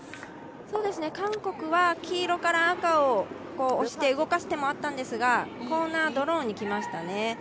韓国は黄色から赤を押して動かす手もあったんですがコーナー、ドローに来ましたね。